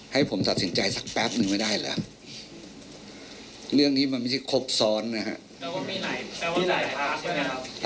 ให้ผมตัดสินใจสักแป๊บนึงไม่ได้แล้วเรื่องนี้มันไม่ใช่ครบซ้อนนะฮะ